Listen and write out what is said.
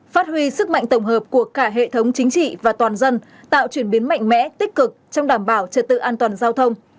phát huy sức mạnh tổng hợp của cả hệ thống chính trị và toàn dân tạo chuyển biến mạnh mẽ tích cực trong đảm bảo trật tự an toàn giao thông